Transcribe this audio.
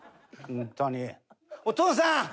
「お父さん！」